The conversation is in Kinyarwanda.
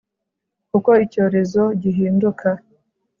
uko icyorezo gihinduka